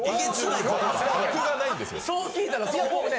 そう聞いたらそう思うね。